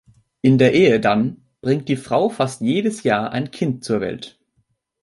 In der Ehe dann bringt die Frau fast jedes Jahr ein Kind zur Welt.